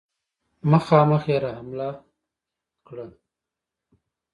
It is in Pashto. مخامخ یې را حمله وکړه.